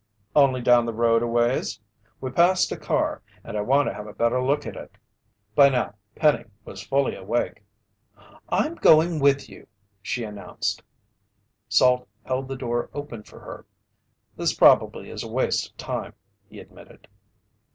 "Only down the road a ways. We passed a car, and I want to have a better look at it." By now Penny was fully awake. "I'm going with you," she announced. Salt held the door open for her. "This probably is a waste of time," he admitted.